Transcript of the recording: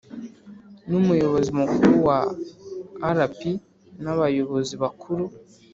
N umuyobozi mukuru wa rp n abayobozi bakuru